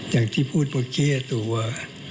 อย่างที่พูดเมื่อกี้ตัว